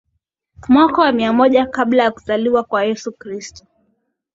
Mwaka wa mia moja kabla ya kuzaliwa kwa yesu kristo